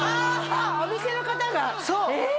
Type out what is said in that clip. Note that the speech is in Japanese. お店の方が？え！